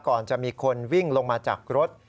ก่อนจะมีคนวิ่งลงมาจากรถ